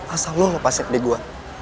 asal lu lepasin ade gua